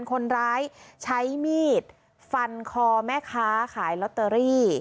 คนร้ายใช้มีดฟันคอแม่ค้าขายลอตเตอรี่